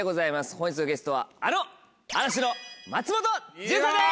本日のゲストはあの嵐の松本潤さんです！